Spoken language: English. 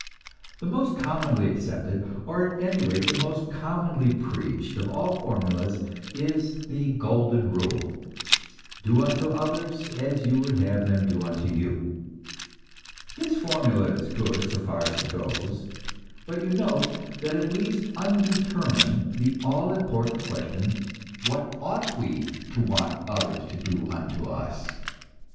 The most commonly accepted, or at any rate the most commonly preached, of all formulas is the "golden rule," "Do unto others as you would have them do unto you." This formula is good so far as it goes, but you note that it leaves undetermined the all important question, what ought we to want others to do unto us.